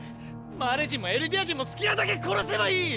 マーレ人もエルディア人も好きなだけ殺せばいい！！